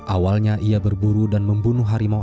awalnya ia berburu dan membunuh harimau